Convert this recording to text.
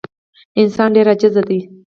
انسان ډېر عاجز دی.